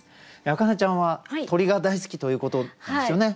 明音ちゃんは鳥が大好きということなんですよね？